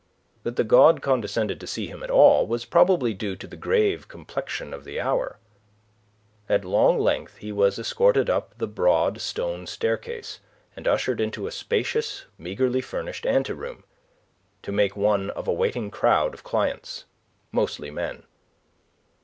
That the god condescended to see him at all was probably due to the grave complexion of the hour. At long length he was escorted up the broad stone staircase, and ushered into a spacious, meagrely furnished anteroom, to make one of a waiting crowd of clients, mostly men.